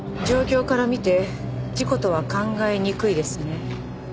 状況から見て事故とは考えにくいですね。